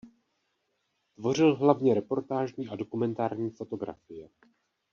Tvořil hlavně reportážní a dokumentární fotografie.